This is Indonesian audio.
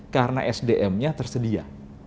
karena sdm nya tersedia